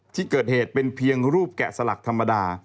ที่เกิดเหตุเป็นเพียงรูปแกะสลักธรรมดา